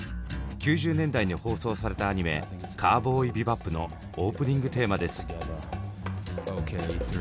１９９０年代に放送されたアニメ「カウボーイビバップ」のオープニングテーマです。